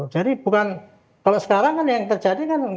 jadi bukan kalau sekarang kan yang terjadi kan